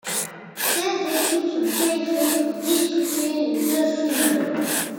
Seize équipes sont qualifiées pour disputer les de finale.